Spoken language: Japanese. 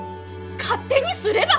勝手にすれば！